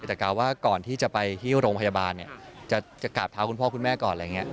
แต่กล่าวว่าก่อนที่จะไปที่โรงพยาบาลเนี่ยจะกราบเท้าคุณพ่อคุณแม่ก่อนอะไรอย่างนี้